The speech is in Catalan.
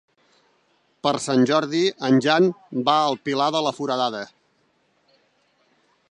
Per Sant Jordi en Jan va al Pilar de la Foradada.